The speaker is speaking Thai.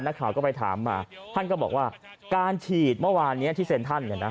นักข่าวก็ไปถามมาท่านก็บอกว่าการฉีดเมื่อวานนี้ที่เซ็นทรัลเนี่ยนะ